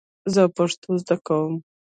زه پښتو زده کوم .